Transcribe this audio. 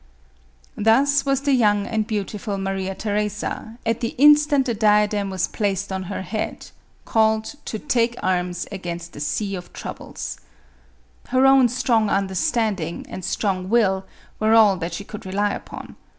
Thus was the young and beautiful Maria Theresa, at the instant the diadem was placed on her head, called "to take arms against a sea of troubles." Her own strong understanding and strong will were all that she could rely upon.